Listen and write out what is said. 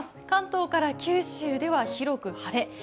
関東から九州では広く晴れ。